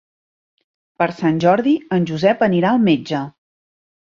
Per Sant Jordi en Josep anirà al metge.